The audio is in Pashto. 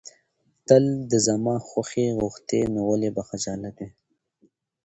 تل د زما خوښي غوښتې، نو ولې به خجالت وې.